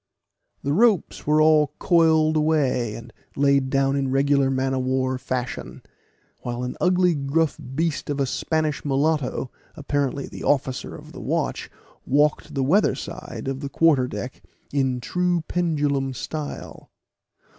The ropes were all coiled away, and laid down in regular man of war fashion; while an ugly gruff beast of a Spanish mulatto, apparently the officer of the watch, walked the weatherside of the quarterdeck in the true pendulum style.